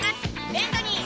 ベントニー！